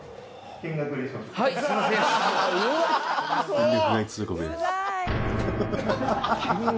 「見学？」